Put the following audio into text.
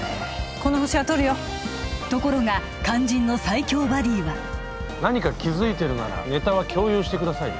このホシは取るよところが肝心の最強バディは何か気づいてるならネタは共有してくださいね